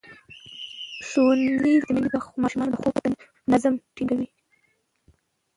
ښوونځې لوستې میندې د ماشومانو د خوب نظم ټینګوي.